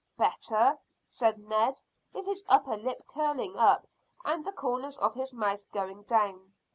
"Better!" said Ned, with his upper lip curling up and the corners of his mouth going down.